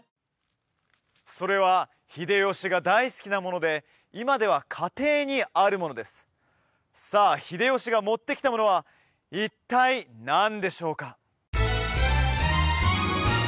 それは秀吉が大好きなもので今では家庭にあるものですさあ秀吉が持ってきたものは一体何でしょうか？